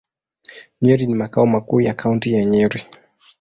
Nyeri ni makao makuu ya Kaunti ya Nyeri.